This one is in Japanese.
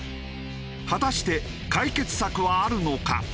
果たして解決策はあるのか？